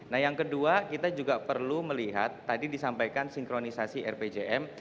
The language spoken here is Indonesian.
nah yang kedua kita juga perlu melihat tadi disampaikan sinkronisasi rpjm